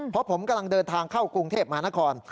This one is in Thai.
เพราะผมกำลังเดินทางเข้ากรุงเทพมหานคร